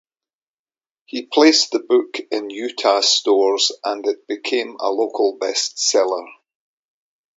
He placed the book in Utah stores and it became a local best-seller.